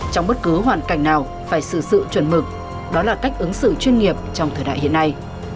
trong bất cứ hoàn cảnh nào phải xử sự chuẩn mực đó là cách ứng xử chuyên nghiệp trong thời đại hiện nay